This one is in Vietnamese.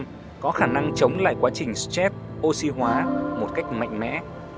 tinh dầu cam có khả năng chống lại quá trình stress oxy hóa một cách mạnh mẽ